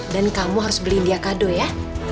dan kamu harus beli dia kado ya